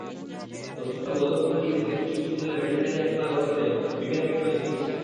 অসুস্থ গন্ধগোকুলটি সিলেট কৃষি বিশ্ববিদ্যালয়ের ভেটেরিনারি হাসপাতালে ভর্তি করে বিকেল থেকে চলে চিকিৎসা।